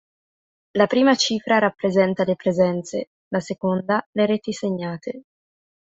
La prima cifra rappresenta le presenze, la seconda le reti segnate.